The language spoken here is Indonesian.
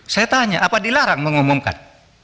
saya tanya apa dilarang mengumumkan